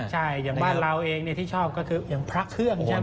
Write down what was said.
ใช่อย่างบ้านเราเองที่ชอบก็คืออย่างพระเครื่องใช่ไหม